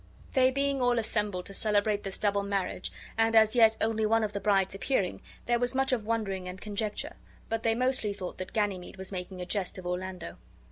They being all assembled to celebrate this double marriage, and as yet only one of the brides appearing, there was much of wondering and conjecture, but they mostly thought that Ganymede was making a jest of Orlando.